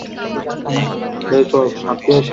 ঈশ্বরের দোহাই লাগে!